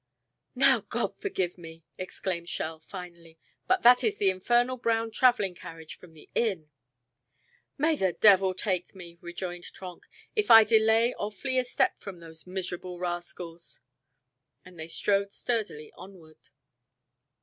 "Now God forgive me!" exclaimed Schell finally, "but that is the infernal brown traveling carriage from the inn!" "May the devil take me!" rejoined Trenck, "if I delay or flee a step from those miserable rascals." And they strode sturdily onward.